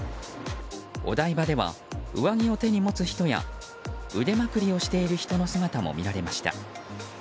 お台場では、上着を手に持つ人や腕まくりをしている人の姿も見られました。